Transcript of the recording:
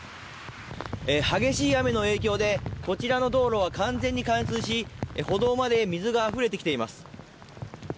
激しい雨の影響でこちらの道路は完全に冠水し、歩道まで水があふれ出てきています。